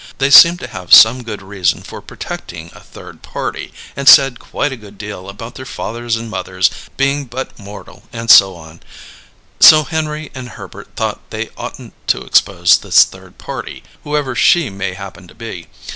They seemed to have some good reason for protecting a third party, and said quite a good deal about their fathers and mothers being but mortal and so on; so Henry and Herbert thought they oughtn't to expose this third party whoever she may happen to be.